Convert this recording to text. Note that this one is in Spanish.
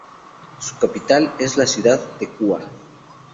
Su capital es la ciudad de Cúa.